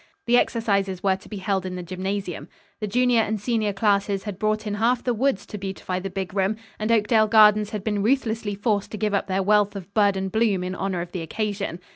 The exercises were to be held in the gymnasium. The junior and senior classes had brought in half the woods to beautify the big room, and Oakdale gardens had been ruthlessly forced to give up their wealth of bud and bloom in honor of the occasion.